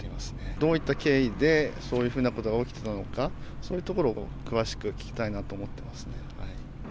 どういった経緯で、そういうふうなことが起きていたのか、そういうところを詳しく聞きたいなと思ってますね。